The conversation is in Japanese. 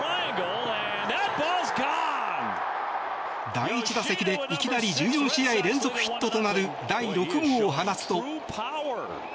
第１打席で、いきなり１４試合連続ヒットとなる第６号を放つと。